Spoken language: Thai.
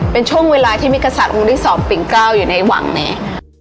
เป็นช่วงเวลาที่เมกษัตริย์องค์ที่๒ปิ่งกล้าวอยู่ในหวังแน่